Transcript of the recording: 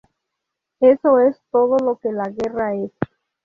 Eso es todo lo que la guerra es".